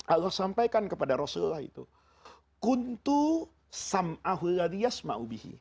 allah sampaikan kepada rasulullah itu